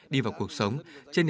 đi vào cuộc sống của các nhà công an